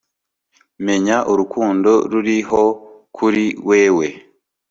menya urukundo ruriho kuri wewe